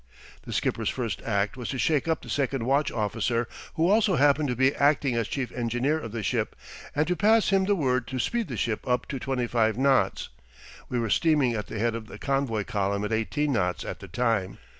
The skipper's first act was to shake up the second watch officer, who also happened to be acting as chief engineer of the ship, and to pass him the word to speed the ship up to twenty five knots. We were steaming at the head of the convoy column at eighteen knots at the time.